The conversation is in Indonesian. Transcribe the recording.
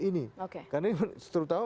ini karena ini terutama